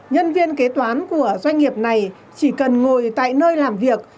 nhân viên kế toán của doanh nghiệp này chỉ cần ngồi tại nơi làm việc